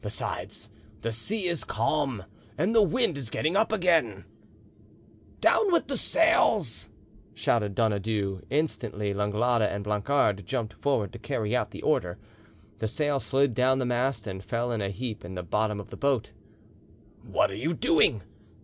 Besides, the sea is calm and the wind is getting up again—" "Down with the sails!" shouted Donadieu. Instantly Langlade and Blancard jumped forward to carry out the order. The sail slid down the mast and fell in a heap in the bottom of the boat. "What are you doing?"